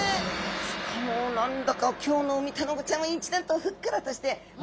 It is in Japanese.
しかも何だか今日のウミタナゴちゃんは一段とふっくらとしておいしそうですね。